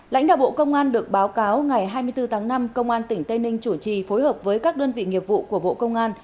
lãnh đạo bộ công an được báo cáo ngày hai mươi bốn tháng năm công an tỉnh tây ninh chủ trì phối hợp với các đơn vị nghiệp vụ của bộ công an